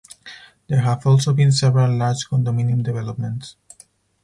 There have also been several large condominium developments.